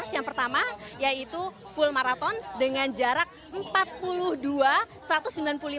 yang pertama yaitu full marathon dengan jarak empat puluh menit